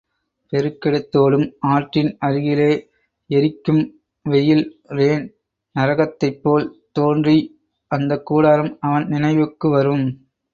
பெருக்கெடுத்தோடும் ஆற்றின் அருகிலே எரிக்கும் வெயில் ரேன் நரகத்தைப்போல் தோன்றிய் அந்தக் கூடாரம் அவன் நினைவுக்கு வரும்.